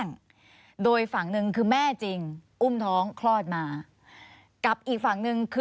ควิทยาลัยเชียร์สวัสดีครับ